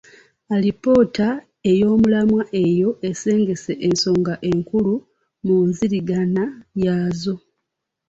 Alipoota ey'omulamwa y'eyo esengese ensonga enkulu mu nziringana yaazo.